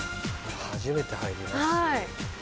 初めて入ります。